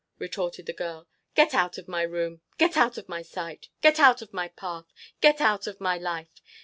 retorted the girl; "get out of my room! Get out of my sight! Get out of my path! Get out of my life!